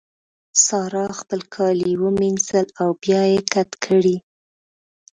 سارا خپل کالي ومينځل او بيا يې کت کړې.